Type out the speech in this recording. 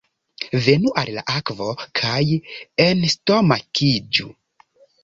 Venu al la akvo, kaj enstomakiĝu!